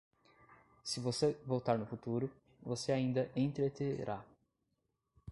Se você voltar no futuro, você ainda entreterá